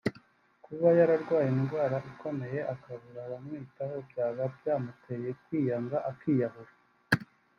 Kuba yararwaye indwara ikomeye akabura abamwitaho byaba byamuteye kwiyanga akiyahura”